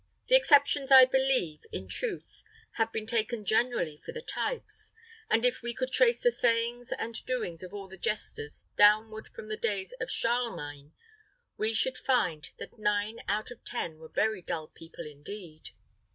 The exceptions I believe, in truth have been taken generally for the types, and if we could trace the sayings and doings of all the jesters downward from the days of Charlemagne, we should find that nine out of ten were very dull people indeed.